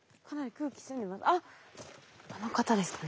あっあの方ですかね？